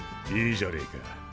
いいじゃねえか。